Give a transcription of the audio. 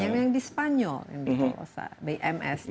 yang di spanyol di tolosa bms